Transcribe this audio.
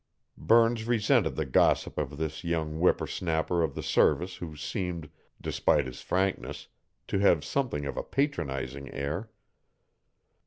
Burns resented the gossip of this young whipper snapper of the service who seemed, despite his frankness, to have something of a patronizing air.